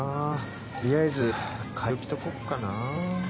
とりあえず買い置きしとこっかな。